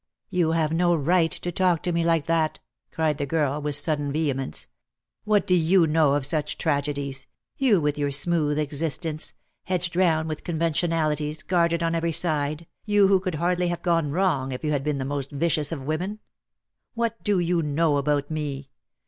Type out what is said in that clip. "You have no right to talk to me like that," cried the girl, with sudden vehemence. "What do you know of such tragedies — you with your smooth existence, hedged round with conventionalities, guarded on every side, you who could hardly have gone wrong if you had been the most vicious of women? What do you know about me?